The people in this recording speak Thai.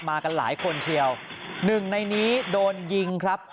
มากันหลายคนเชียวหนึ่งในนี้โดนยิงครับ